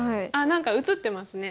何か写ってますね。